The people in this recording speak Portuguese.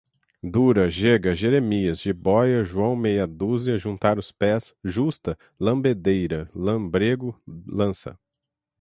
dura, jega, jeremias, jibóia, joão meia dúzia, juntar os pés, justa, lambedeira, lambrêgo, lança